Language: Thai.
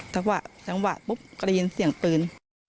จังหวะจังหวะปุ๊บก็ได้ยินเสียงปืน